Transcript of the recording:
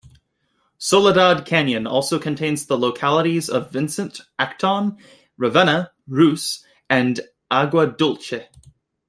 Soledad Canyon also contains the localities of Vincent, Acton, Ravenna, Russ, and Agua Dulce.